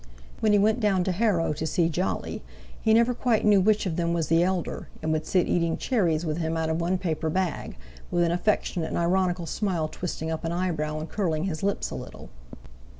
When he went down to Harrow to see Jolly, he never quite knew which of them was the elder, and would sit eating cherries with him out of one paper bag, with an affectionate and ironical smile twisting up an eyebrow and curling his lips a little.